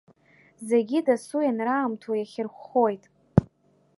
Зегьы дасу ианраамҭоу иахьырхәхоит.